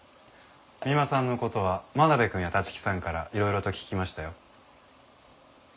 三馬さんの事は真鍋くんや立木さんからいろいろと聞きましたよ。